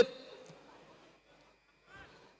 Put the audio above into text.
kita harus bangkit